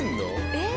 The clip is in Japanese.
えっ？